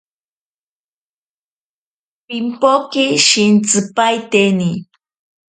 Pimpoke shintsipaiteni.